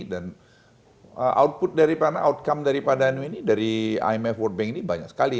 dan output dari padano ini dari imf world bank ini banyak sekali